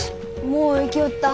もう行きよった。